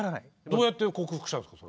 どうやって克服したんですか？